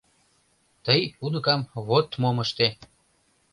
— Тый, уныкам, Вот мом ыште...